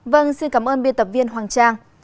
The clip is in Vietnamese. vâng xin cảm ơn biên tập viên hoàng trang